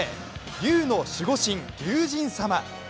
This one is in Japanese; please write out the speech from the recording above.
竜の守護神・竜神様。